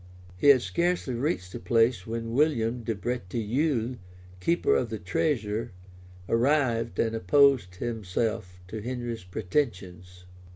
He had scarcely reached the place when William de Breteuil, keeper of the treasure, arrived, and opposed himself to Henry's pretensions.